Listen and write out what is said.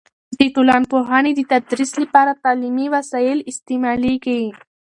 د ټولنپوهنې د تدریس لپاره تعلیمي وسایل استعمالیږي.